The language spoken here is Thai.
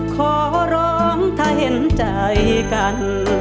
ขอร้องถ้าเห็นใจกัน